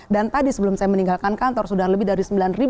dan tadi sebelum saya meninggalkan kantor sudah lebih dari sembilan lima ratus